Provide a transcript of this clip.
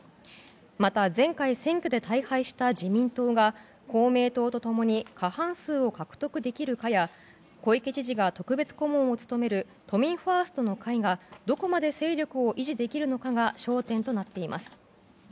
また、前回選挙で大敗した自民党が公明党と共に過半数を獲得できるかや小池知事が特別顧問を務める都民ファーストの会がどこまで勢力を維持できるのかが焦点となっています。